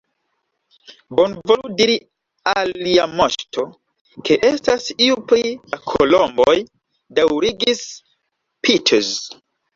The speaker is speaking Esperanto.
Bonvolu diri al Lia Moŝto, ke estas iu pri la kolomboj, daŭrigis Peters.